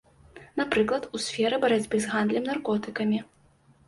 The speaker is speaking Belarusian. Напрыклад, у сферы барацьбы з гандлем наркотыкамі.